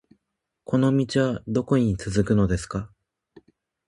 この道はどこに続くのですか